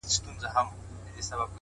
د نورو مرسته انسان بډای کوي؛